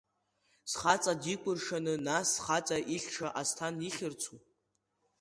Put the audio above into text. Схаҵа дикәыршаны, нас схаҵа ихьша Асҭан ихьырцу?